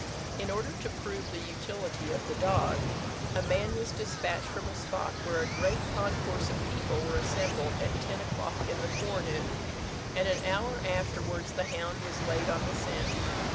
In order to prove the utility of the dog, a man was dispatched from a spot where a great concourse of people were assembled, at ten o'clock in the forenoon, and an hour afterwards the hound was laid on the scent.